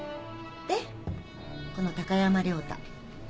でこの高山涼太。